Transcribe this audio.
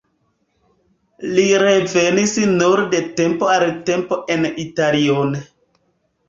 Li revenis nur de tempo al tempo en Italion.